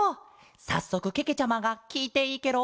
さっそくけけちゃまがきいていいケロ？